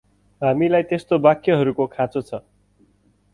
हामीलाई तेस्तो वाक्यहरुको खाँचो छ ।